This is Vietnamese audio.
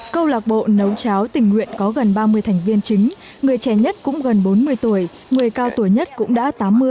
câu lạc bộ nấu cháo tình nguyện có gần ba mươi thành viên chính người trẻ nhất cũng gần bốn mươi tuổi người cao tuổi nhất cũng đã tám mươi